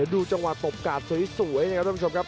ดูจังหวะตบกาดสวยนะครับท่านผู้ชมครับ